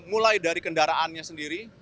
mulai dari kendaraannya sendiri